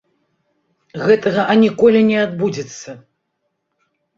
Гэтага аніколі не адбудзецца!